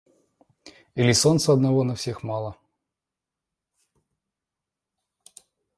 Или солнца одного на всех мало?!